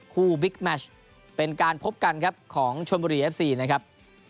บิ๊กแมชเป็นการพบกันครับของชนบุรีเอฟซีนะครับ